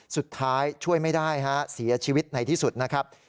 สุดท้ายช่วยไม่ได้ฮะเสียชีวิตในที่สุดนะครับ